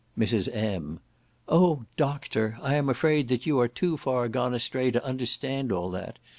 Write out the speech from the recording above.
Mrs. M. "Oh Doctor! I am afraid that you are too far gone astray to understand all that.